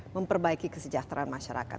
memperbaiki kesejahteraan masyarakat